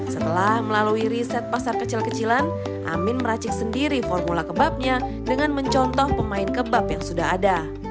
setelah melalui riset pasar kecil kecilan amin meracik sendiri formula kebabnya dengan mencontoh pemain kebab yang sudah ada